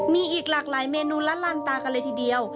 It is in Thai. มีอีกหลากหลายเมนูละลานตากันเลยทีเดียว